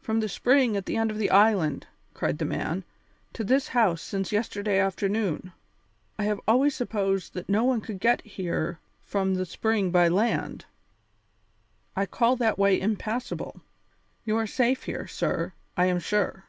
"From the spring at the end of the island," cried the man, "to this house since yesterday afternoon! I have always supposed that no one could get here from the spring by land. I call that way impassable. You are safe here, sir, I am sure.